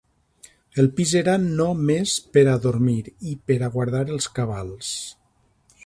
El pis era no més pera dormir i pera guardar els cabals: